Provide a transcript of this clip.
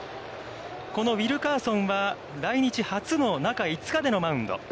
このウィルカーソンは、来日初の中５日でのマウンド。